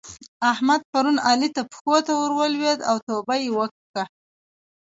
احمد پرون علي ته پښو ته ور ولېد او توبه يې وکښه.